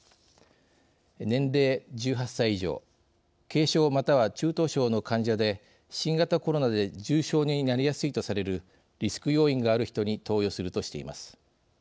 年齢１８歳以上軽症または中等症の患者で新型コロナで重症になりやすいとされるリスク要因がある人に投与するとしています。